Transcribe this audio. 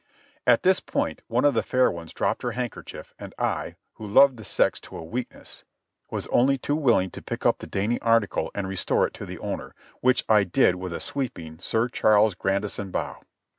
At this point one of the fair ones dropped her handkerchief and I, who loved the sex to a weakness, was only too willing to pick up the dainty article and restore it to the owner, which I did with a sweeping. Sir Charles Grandison bow.